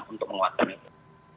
untuk menguatkan itu